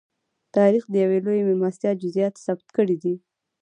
تاریخ د یوې لویې مېلمستیا جزییات ثبت کړي دي.